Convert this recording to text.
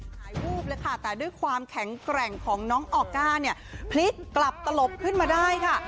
หายวูบเลยค่ะแต่ด้วยความแข็งแกร่งของน้องออก้าเนี่ยพลิกกลับตลบขึ้นมาได้ค่ะ